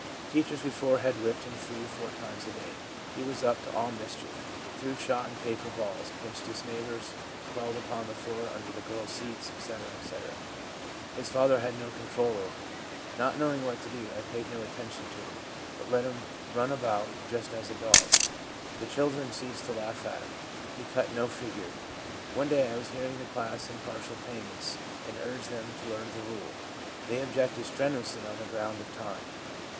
Teachers before had whipped him three or four times a day. He was up to all mischief — threw shot and paper balls, pinched his neighbours, crawled upon the floor under the girls' seats, etc., etc. His father had no control over him. Not knowing what to do, I paid no attention to him, but let him run about just as a dog. The children ceased to laugh at him ; he cut no figure. One day I was hearing the class in partial pay ments, and urged them to learn the rule. They objected strenuously on the ground of time.